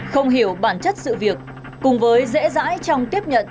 không hiểu bản chất sự việc cùng với dễ dãi trong tiếp nhận